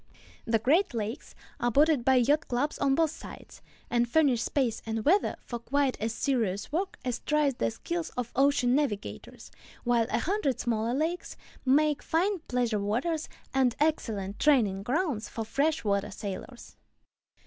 The Great Lakes are bordered by yacht clubs on both sides, and furnish space and weather for quite as serious work as tries the skill of ocean navigators, while a hundred smaller lakes make fine pleasure waters and excellent training grounds for fresh water sailors.